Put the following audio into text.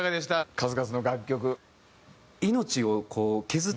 数々の楽曲。